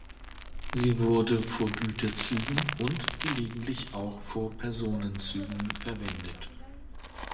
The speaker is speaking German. Sie wurde vor Güterzügen und, gelegentlich auch vor Personenzügen verwendet.